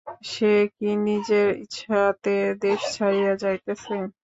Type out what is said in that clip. সে কি নিজের ইচ্ছাতে দেশ ছাড়িয়া যাইতেছে?